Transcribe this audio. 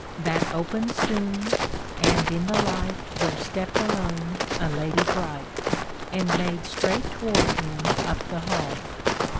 That opened soon, and in the light There stepped alone a lady bright. And made straight toward him up the hall.